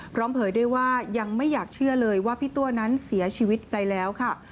เผยด้วยว่ายังไม่อยากเชื่อเลยว่าพี่ตัวนั้นเสียชีวิตไปแล้วค่ะ